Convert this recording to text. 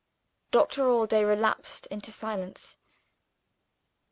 Doctor Allday relapsed into silence.